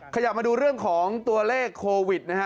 ขยับมาดูเรื่องของตัวเลขโควิดนะฮะ